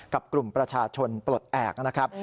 กับกลุ่มประชาชนปลดแอบนะครับ